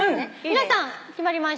皆さん決まりました？